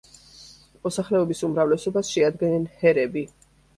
მოსახლეობის უმრავლესობას შეადგენენ ჰერები.